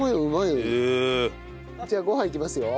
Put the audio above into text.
じゃあご飯いきますよ。